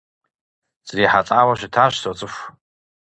СрихьэлӀауэ щытащ, соцӀыху.